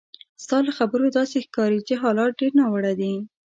ستا له خبرو داسې ښکاري چې حالات ډېر ناوړه دي.